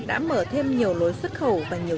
đã mở thêm nhiều lối xuất khẩu và nhiều